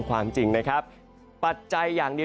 ความจริงนะครับปัจจัยอย่างเดียว